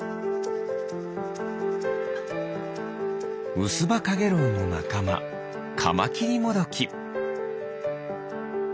ウスバカゲロウのなかまカマキリモドキ。